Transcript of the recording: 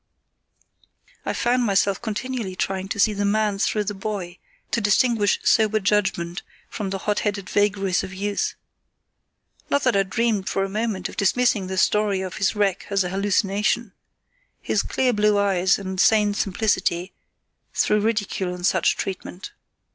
I found myself continually trying to see the man through the boy, to distinguish sober judgement from the hot headed vagaries of youth. Not that I dreamed for a moment of dismissing the story of his wreck as an hallucination. His clear blue eyes and sane simplicity threw ridicule on such treatment.